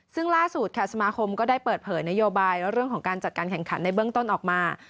ซึ่งล่าสุดค่ะสมาคมก็ได้เปิดเผยนโยบายเรื่องของการจัดการแข่งขันในเบื้องต้นออกมา